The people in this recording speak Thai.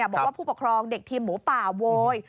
บอกว่าผู้ปกครองเด็กทีมหมูป่าโวย